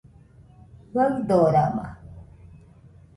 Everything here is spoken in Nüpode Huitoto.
Faɨdorama